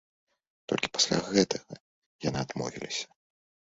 Толькі пасля гэтага яны адмовіліся.